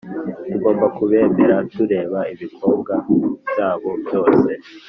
tugomba kubemera tureba ibikobwa byabo byose,